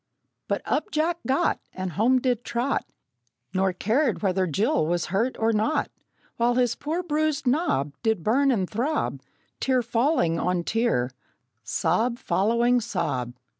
But up Jack got, And home did trot, Nor cared whether Jill was hurt or not; While his poor bruised knob Did burn and throb, Tear falling on tear, sob following sob!